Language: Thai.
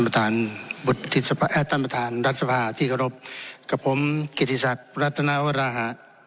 ธรรมฐานรัฐสภาที่เคารพกับผมกิทธิศักดิ์รัฐนาวราหะ